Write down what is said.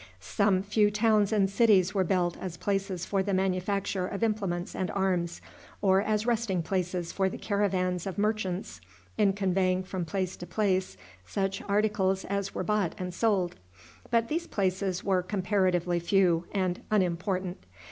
Some few towns and cities were built as places for the manufacture of implements and arms, or as resting places for the caravans of merchants in conveying from place to place such articles as were bought and sold. But these places were comparatively few and unimportant.